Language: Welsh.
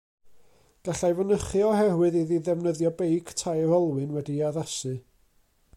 Gallai fynychu oherwydd iddi ddefnyddio beic tair olwyn wedi'i addasu.